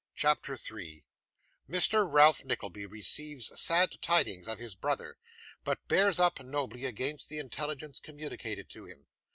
CHAPTER 3 Mr. Ralph Nickleby receives Sad Tidings of his Brother, but bears up nobly against the Intelligence communicated to him.